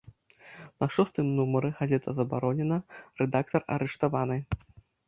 На шостым нумары газета забаронена, рэдактар арыштаваны.